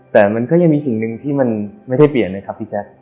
แต่มันก็ยังมีสิ่งหนึ่งที่มันไม่ได้เปลี่ยนเลยครับพี่แจ๊ค